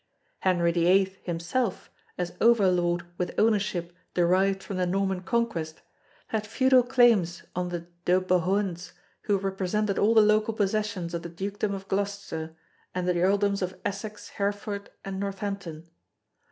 Henry VIII himself, as over lord with ownership derived from the Norman Conquest, had feudal claims on the de Bohuns who represented all the local possessions of the Dukedom of Gloucester and the Earldoms of Essex Hereford and Northampton.